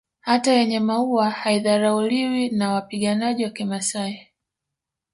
Hata yenye maua haidharauliwi na wapiganaji wa kimasai